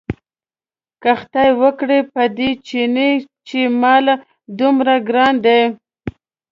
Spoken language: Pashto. که خدای وکړ په دې چیني چې مال دومره ګران دی.